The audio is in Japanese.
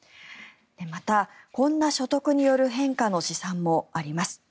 また、こんな所得による変化の試算もあります。